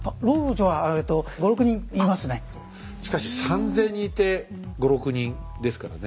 しかし３，０００人いて５６人ですからね。